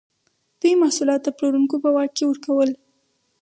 دوی محصولات د پلورونکو په واک کې ورکول.